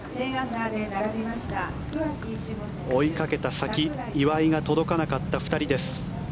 追いかけた先岩井が届かなかった２人です。